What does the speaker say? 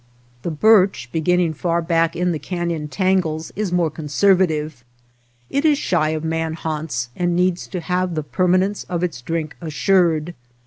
The birch beginning far back in the canon tangles is more conser vative ; it is shy of man haunts and needs to have the permanence of its drink assured.